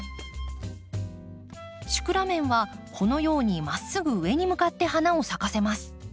シクラメンはこのようにまっすぐ上に向かって花を咲かせます。